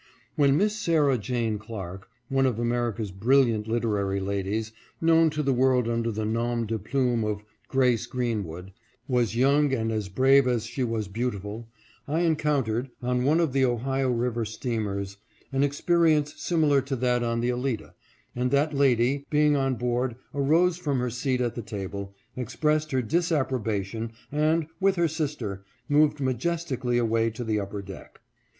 When Miss Sarah Jane Clark, one of America's bril liant literary ladies, known to the world under the now, de plume of Grace Greenwood, was young and as brave as she was beautiful, I encountered, on one of the Ohio river steamers, an experience similar to that on the Alida, and that lady, being on board, arose from her seat at the table, expressed her disapprobation and, with her sister, moved majestically away to the upper deck.